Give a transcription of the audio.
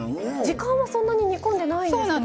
時間はそんなに煮込んでないんですよね。